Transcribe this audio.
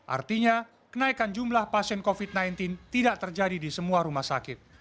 artinya kenaikan jumlah pasien covid sembilan belas tidak terjadi di semua rumah sakit